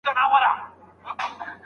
تاسو دينداري ميرمني په نکاح کړئ.